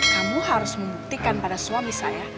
kamu harus membuktikan pada suami saya